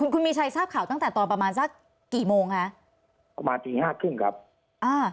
คุณมีชัยสาปข่าวตั้งแต่ตอนประมาณซักกี่โมงคะ